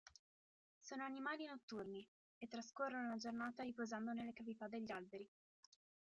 Sono animali notturni, e trascorrono la giornata riposando nelle cavità degli alberi.